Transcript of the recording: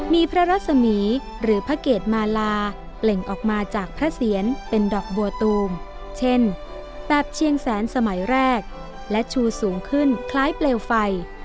มีพระรัศมีร์หรือพระเกตมาลาเปล่งออกมาจากพระเสียรเป็นดอกบัวตูมเช่นแบบเชียงแสนสมัยแรกและชูสูงขึ้นคล้ายเปลวไฟ